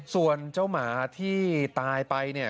ส่วนเจ้าหมาที่ตายไปเนี่ย